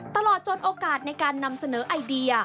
ตลอดจนโอกาสในการนำเสนอไอเดีย